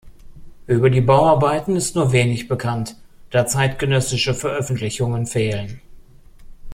Über die Bauarbeiten ist nur wenig bekannt, da zeitgenössische Veröffentlichungen fehlen.